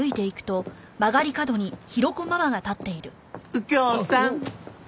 右京さん。